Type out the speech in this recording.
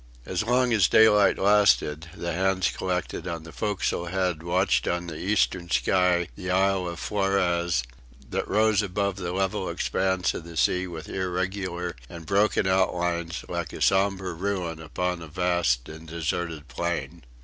As long as daylight lasted, the hands collected on the forecastle head watched on the eastern sky the island of Flores, that rose above the level expanse of the sea with irregular and broken outlines like a sombre ruin upon a vast and deserted plain.